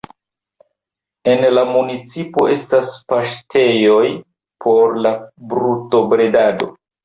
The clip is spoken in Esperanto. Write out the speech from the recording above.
En la municipo estas paŝtejoj por la brutobredado.